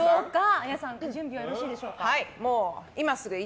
ＡＹＡさんご準備はよろしいでしょうか。